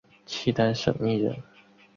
契丹审密人。